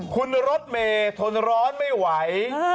คุณรถเมย์ทนร้อนไม่ไหว